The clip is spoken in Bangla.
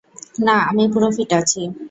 না, আমি পুরো ফিট আছি।